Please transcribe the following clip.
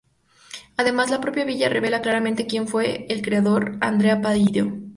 Además, la propia villa revela claramente quien fue su creador, Andrea Palladio.